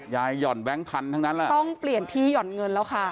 หย่อนแบงค์พันธุ์ทั้งนั้นแหละต้องเปลี่ยนที่หย่อนเงินแล้วค่ะ